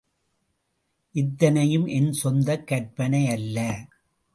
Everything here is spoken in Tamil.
இத்தனையும் என் சொந்தக் கற்பனை அல்ல.